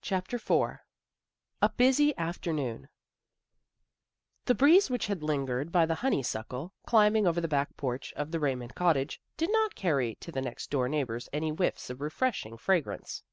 CHAPTER IV A BUSY AFTERNOON THE breeze which had lingered by the honey suckle, climbing over the back porch of the Raymond cottage, did not carry to the next door neighbors any whiffs of refreshing fra grance.